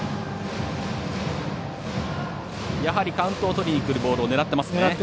やはりカウントをとりにくるボールを狙っていますね。